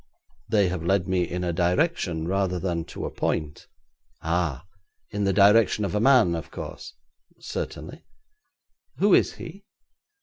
'They have led me in a direction rather than to a point.' 'Ah! In the direction of a man, of course?' 'Certainly.' 'Who is he?'